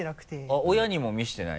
あっ親にも見せてない？